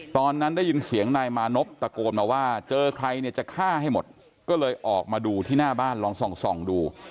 ตอนนั้นได้ยินเสียงนายมานพตะโกนมาว่าเจอใครเนี่ยจะฆ่าให้หมดก็เลยออกมาดูที่หน้าบ้านลองส่องดู